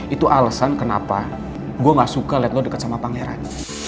itu alasan kenapa gue gak suka lihat lo dekat sama pangeran